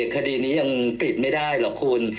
คดีนี้ยังปิดไม่ได้หรอกคุณ